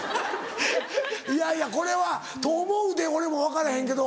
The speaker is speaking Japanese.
いやいやこれはと思うで俺も分からへんけど。